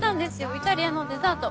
イタリアのデザート。